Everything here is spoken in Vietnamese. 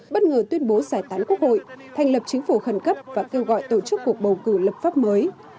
bất ngờ tuyên bố giải tán quốc hội thành lập chính phủ khẩn cấp và kêu gọi tổ chức cuộc bầu cử lập pháp mới